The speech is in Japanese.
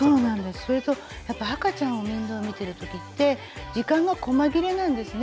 それとやっぱ赤ちゃんを面倒見てる時って時間がこま切れなんですね。